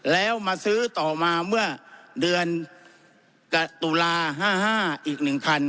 แล้วมาซื้อต่อมาเมื่อเดือนตุลา๕๕อีก๑๐๐